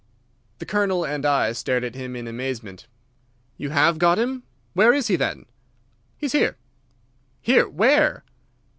The Colonel and I stared at him in amazement. "You have got him! Where is he, then?" "He is here." "Here! Where?"